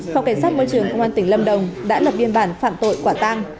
phòng cảnh sát môi trường công an tỉnh lâm đồng đã lập biên bản phạm tội quả tang